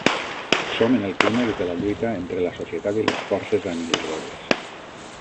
Som en el clímax de la lluita entre la societat i les forces anihiladores.